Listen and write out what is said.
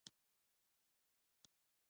لومړنی اقتصاد د پوستکي په سوداګرۍ و.